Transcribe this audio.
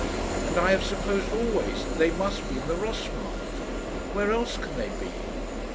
And I have supposed always that they must be in the Ross Markt. Where else can they be?"